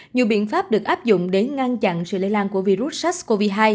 nhiều biện pháp được áp dụng để ngăn chặn sự lây lan của virus sars cov hai